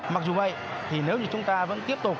mặc dù vậy thì nếu như chúng ta vẫn tiếp tục